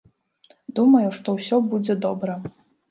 Думаю, што ўсё будзе добра.